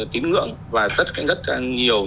tín ngưỡng và rất nhiều